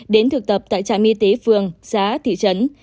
đến thực tập tại trạm y tế phường xá thị trấn